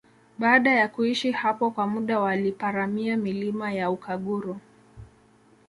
Baada ya kuishi hapo kwa muda waliparamia milima ya Ukaguru